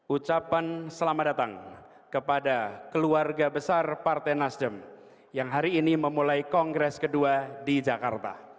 ucapan selamat datang kepada keluarga besar partai nasdem yang hari ini memulai kongres kedua di jakarta